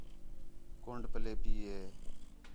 کُنڈ پلے پئی ہِے